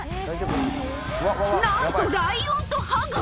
なんとライオンとハグ。